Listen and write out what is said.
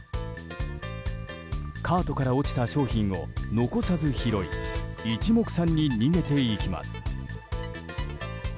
カートから落ちた商品を残さず拾い一目散に逃げていきます。